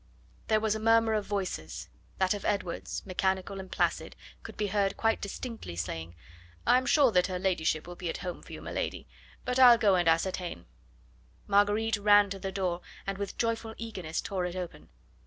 There was a murmur of voices; that of Edwards, mechanical and placid, could be heard quite distinctly saying: "I'm sure that her ladyship will be at home for you, m'lady. But I'll go and ascertain." Marguerite ran to the door and with joyful eagerness tore it open.